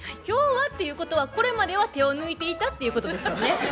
「今日は」っていうことはこれまでは手を抜いていたっていうことですよね。